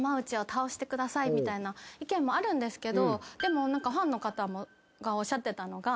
みたいな意見もあるんですけどでもファンの方がおっしゃってたのが。